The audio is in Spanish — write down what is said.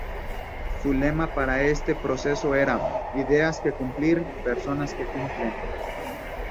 Su lema para este proceso era "Ideas que cumplir, personas que cumplen".